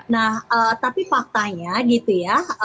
nah tapi faktanya gitu ya